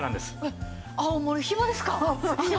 青森ヒバですか？